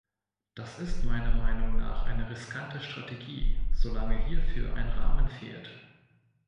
Das ist meiner Meinung nach eine riskante Strategie, solange hierfür ein Rahmen fehlt.